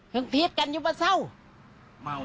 ถึงเผลอกันยังไม่ส้าว